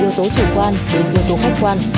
yếu tố chủ quan đến yếu tố khách quan